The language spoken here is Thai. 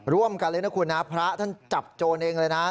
ร่วมกันเลยนะคุณนะพระท่านจับโจรเองเลยนะ